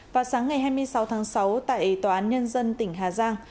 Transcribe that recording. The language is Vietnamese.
vào sáng ngày hai mươi sáu tháng sáu tại tòa án nhân dân tỉnh hà giang